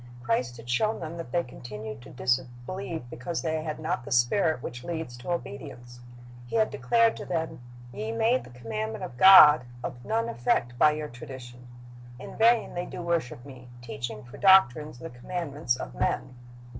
Christ had shown them that they continued to disbelieve because they had not the spirit which leads to obedience. He had declared to them, "Ye made the commandment of God of none effect by your tradition. ... In vain they do worship Me, teaching for doctrines the commandments of men."